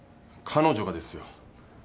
彼女がですよ。